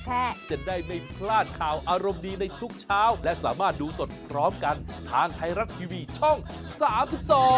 แห่งนี้จึงกลายเป็นเกษตรทำเงินไปแล้วครับ